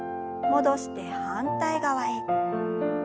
戻して反対側へ。